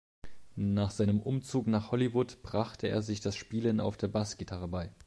Nach seinem Umzug nach Hollywood brachte er sich das Spielen auf der Bassgitarre bei.